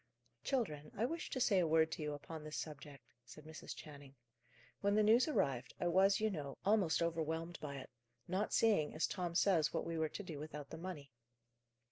"Children, I wish to say a word to you upon this subject," said Mrs. Channing. "When the news arrived, I was, you know, almost overwhelmed by it; not seeing, as Tom says, what we were to do without the money.